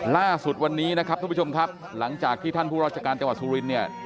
ล่าสุดวันนี้นะครับทุกผู้ชมครับหลังจากที่ท่านผู้ราชการจังหวัดสุรินเนี่ย